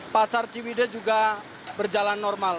pasar ciwide juga berjalan normal